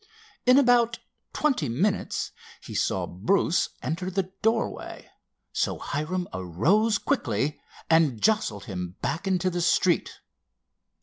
In about twenty minutes he saw Bruce enter the doorway, so Hiram arose quickly and jostled him back into the street.